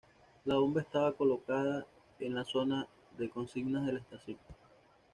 La bomba estaba colocada en la zona de consignas de la estación.